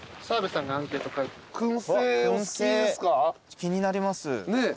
気になります。